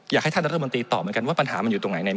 อยากให้ท่านรัฐมนตรีตอบเหมือนกันว่าปัญหามันอยู่ตรงไหน